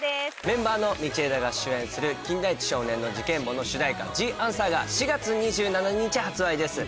メンバーの道枝が主演する『金田一少年の事件簿』の主題歌『ＴｈｅＡｎｓｗｅｒ』が４月２７日発売です。